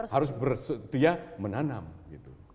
harus bersedia menanam gitu